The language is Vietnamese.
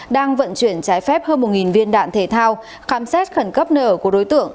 đang vận chuyển trái phép hơn một viên đạn thể thao khám xét khẩn cấp nợ của đối tượng